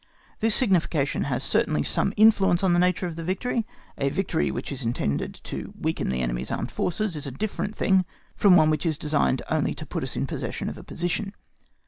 This signification has certainly some influence on the nature of the victory. A victory which is intended to weaken the enemy's armed forces is a different thing from one which is designed only to put us in possession of a position.